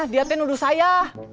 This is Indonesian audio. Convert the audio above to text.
dia tenuduh saya